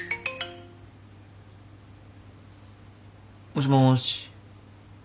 もしもし。